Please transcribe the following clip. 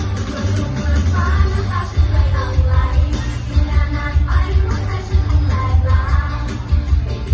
เผื่อว่าคุ้มกันทั้งส่วนของส่วนพอดีมันล้วนอ่าอ่าอ่าอ่าอ่าอ่าอ่า